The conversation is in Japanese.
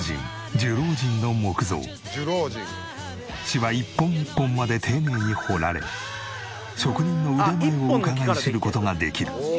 しわ一本一本まで丁寧に彫られ職人の腕前をうかがい知る事ができる。